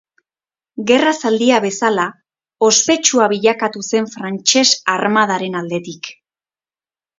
Gerra zaldia bezala ospetsua bilakatu zen Frantses armadaren aldetik.